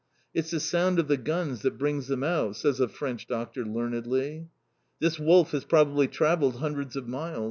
"It's the sound of the guns that brings them out," says a French doctor learnedly. "This wolf has probably travelled hundreds of miles.